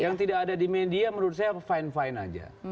yang tidak ada di media menurut saya fine fine aja